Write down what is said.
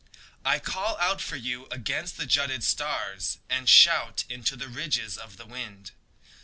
I call out for you against the jutted stars And shout into the ridges of the wind.